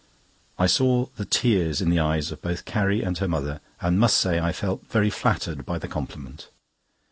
I saw the tears in the eyes of both Carrie and her mother, and must say I felt very flattered by the compliment.